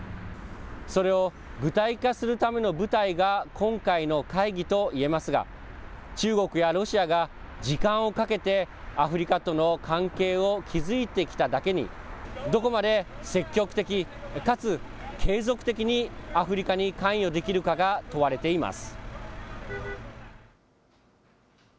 それを具体化するための舞台が、今回の会議といえますが、中国やロシアが時間をかけてアフリカとの関係を築いてきただけに、どこまで積極的かつ継続的にアフリカに関与できるかが問われています。